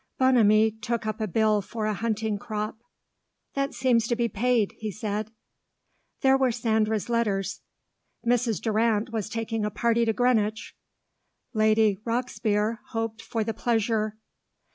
Bonamy took up a bill for a hunting crop. "That seems to be paid," he said. There were Sandra's letters. Mrs. Durrant was taking a party to Greenwich. Lady Rocksbier hoped for the pleasure....